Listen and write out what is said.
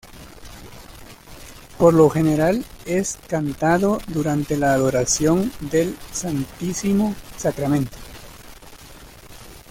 Por lo general es cantado durante la adoración del Santísimo Sacramento.